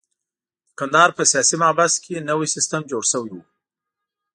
د کندهار په سیاسي محبس کې نوی سیستم جوړ شوی وو.